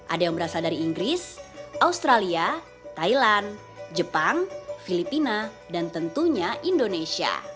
ada yang berasal dari inggris australia thailand jepang filipina dan tentunya indonesia